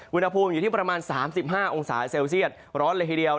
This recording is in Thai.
อุณหภูมิอยู่ที่ประมาณ๓๕องศาเซลเซียตร้อนเลยทีเดียว